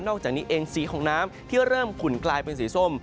อกจากนี้เองสีของน้ำที่เริ่มขุ่นกลายเป็นสีส้ม